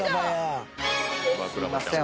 すいません。